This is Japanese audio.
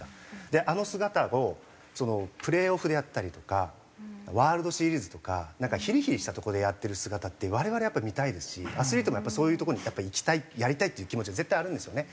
であの姿をプレーオフであったりとかワールドシリーズとかなんかヒリヒリしたとこでやってる姿って我々やっぱり見たいですしアスリートもそういうとこに行きたいやりたいっていう気持ちは絶対あるんですよね。